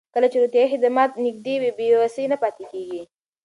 کله چې روغتیايي خدمات نږدې وي، بې وسۍ نه پاتې کېږي.